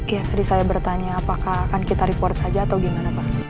ya tadi saya bertanya apakah akan kita report saja atau gimana pak